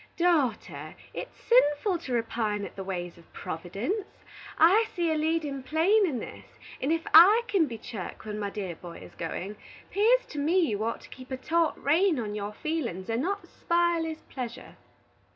"Daughter, it's sinful to repine at the ways of Providence. I see a leadin' plain in this, and ef I can be chirk when my dear boy is goin', 'pears to me you ought to keep a taut rein on your feelin's, and not spile his pleasure."